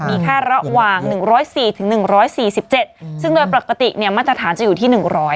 มีแค่ระหว่าง๑๐๔๑๔๗ซึ่งโดยปกติมาตรฐานจะอยู่ที่๑๐๐